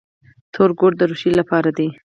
تور کود د ریښو لپاره دی.